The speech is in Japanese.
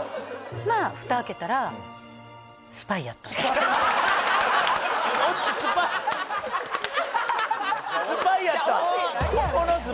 まあふた開けたらオチスパイスパイやった！